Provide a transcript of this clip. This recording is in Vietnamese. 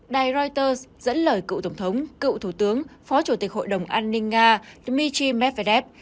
đài reuters dẫn lời cựu tổng thống cựu thủ tướng phó chủ tịch hội đồng an ninh nga dmitry medvedev